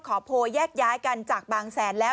โพลแยกย้ายกันจากบางแสนแล้ว